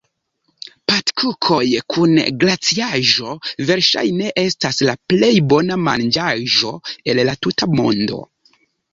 Patkukoj kun glaciaĵo, verŝajne estas la plej bona manĝaĵo el la tuta mondo.